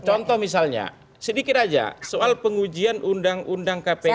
contoh misalnya sedikit aja soal pengujian undang undang kpk